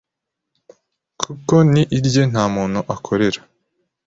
kuko ni irye nta muntu akorera